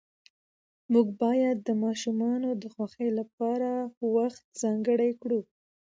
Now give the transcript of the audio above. موږ باید د ماشومانو د خوښۍ لپاره وخت ځانګړی کړو